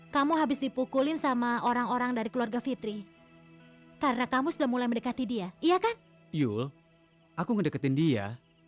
sampai jumpa di video selanjutnya